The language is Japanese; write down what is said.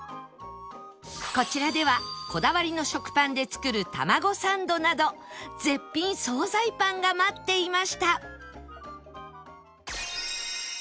こちらではこだわりの食パンで作るたまごサンドなど絶品総菜パンが待っていました